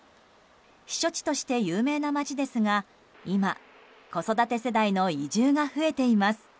避暑地として有名な町ですが今、子育て世代の移住が増えています。